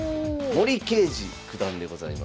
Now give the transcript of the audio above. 森二九段でございます。